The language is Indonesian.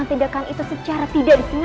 itu dihukum seberat beratnya